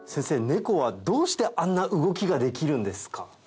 ネコはどうしてあんな動きができるんですか？